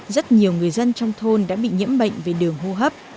rất nhiều người dân trong thôn đã bị nhiễm bệnh về đường hô hấp